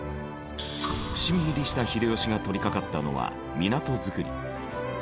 伏見入りした秀吉が取りかかったのは港造り。